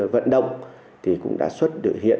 vận động thì cũng đã xuất hiện